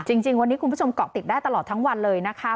จริงวันนี้คุณผู้ชมเกาะติดได้ตลอดทั้งวันเลยนะคะ